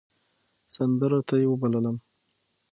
سندرو ته يې وبللم .